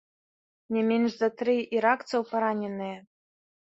Не менш за тры іракцаў параненыя.